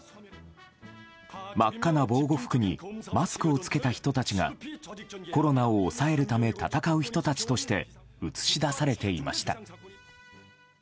真っ赤な防護服にマスクを着けた人たちがコロナを抑えるため闘う人たちとして映し出されていました。